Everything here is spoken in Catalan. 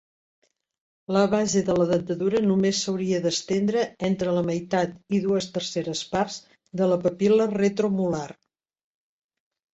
La base de la dentadura només s'hauria d'estendre entre la meitat i dues tercers parts de la papil·la retromolar.